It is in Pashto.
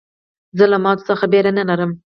زه له ماتو څخه بېره نه لرم.